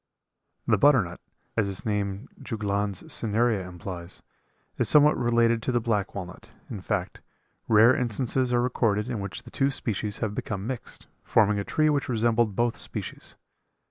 The butternut, as its name Juglans cinerea implies, is somewhat related to the black walnut, in fact, rare instances are recorded in which the two species have become mixed, forming a tree which resembled both species.